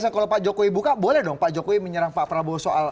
kalau pak jokowi buka boleh dong pak jokowi menyerang pak prabowo soal